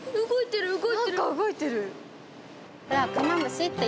動いてる！